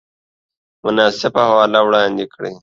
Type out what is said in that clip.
مناسبه حواله وړاندې کړئ